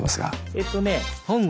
えっとね。